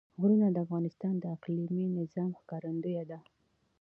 غرونه د افغانستان د اقلیمي نظام ښکارندوی ده.